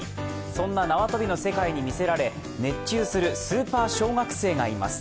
そんな縄跳びの世界に魅せられ熱中するスーパー小学生がいます。